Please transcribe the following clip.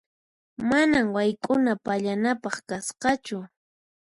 Manan wayk'una pallanapaq kasqachu.